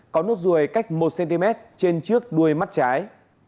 có nốt ruồi cách một cm trên trước đuôi mắt trái